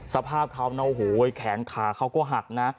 สภาพเขานะโอ้โหแขนขาเขาก็หักนะ